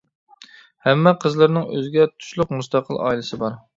ھەممە قىزلىرىنىڭ ئۆزىگە تۇشلۇق مۇستەقىل ئائىلىسى بار.